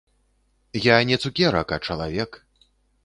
Я не цукерак, а чалавек.